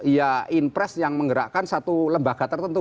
ya inpres yang menggerakkan satu lembaga tertentu